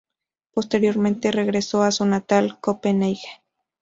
Posteriormente regresó a su natal Copenhague.